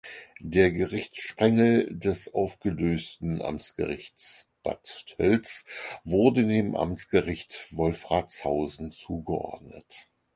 Der Gerichtssprengel des aufgelösten Amtsgerichts Bad Tölz wurde dem Amtsgericht Wolfratshausen zugeordnet.